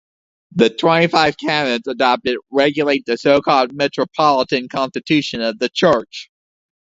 The twenty-five canons adopted regulate the so-called metropolitan constitution of the church.